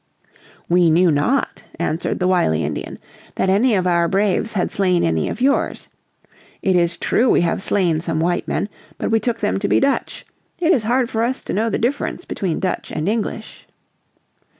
"We knew not," answered the wily Indian, "that any of our braves had slain any of yours. It is true we have slain some white men. But we took them to be Dutch. It is hard for us to know the difference between Dutch and English."